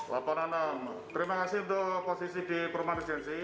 laporan enam terima kasih untuk posisi di perumahan resensi